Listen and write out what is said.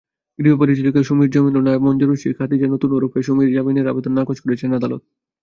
গৃহপরিচারিকা সুমির জামিনও নামঞ্জুরশিশু খাদিজা খাতুন ওরফে সুমির জামিনের আবেদন নাকচ করেছেন আদালত।